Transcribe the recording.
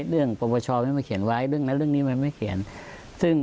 เรื่องประประชาไม่มาเขียนไว้เรื่องนั้นเรื่องนี้มันไม่เขียน